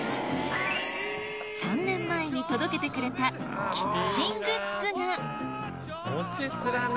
３年前に届けてくれたキッチングッズがモチスラね。